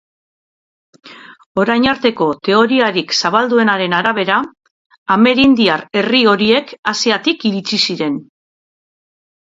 Orain arteko teoriarik zabalduenaren arabera, amerindiar herri horiek Asiatik iritsi ziren.